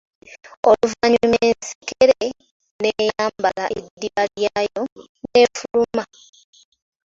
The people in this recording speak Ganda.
Oluvannyuma ensekere n'eyambala eddiba lyayo, n'efuluma.